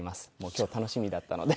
今日楽しみだったので。